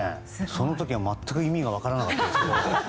その時は全く意味が分からなかったですけど。